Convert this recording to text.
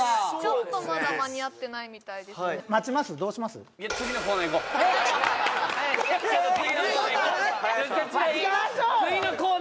ちょっとまだ間に合ってないみたいですねいや待ちましょうよ！